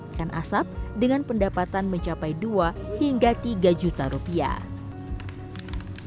ikan asap dengan pendapatan mencapai dua hingga tiga juta rupiah